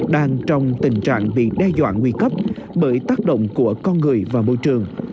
đang trong tình trạng bị đe dọa nguy cấp bởi tác động của con người và môi trường